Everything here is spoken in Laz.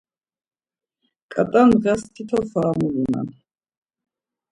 Ǩat̆a ndğas tito fara mulunan.